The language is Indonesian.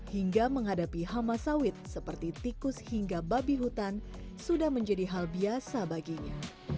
hingga menghadapi hama sawit seperti tikus hingga babi hutan sudah menjadi hal biasa baginya